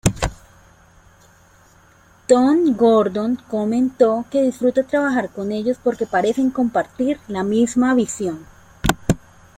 Tom Gordon comentó que disfruta trabajar con ellos porque parecen compartir la misma visión.